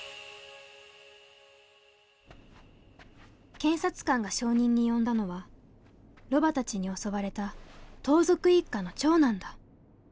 検察官が証人に呼んだのはロバたちに襲われた盗賊一家の長男だ。